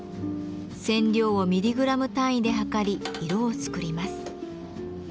染料をミリグラム単位で量り色を作ります。